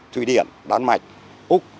thủy điển đan mạch úc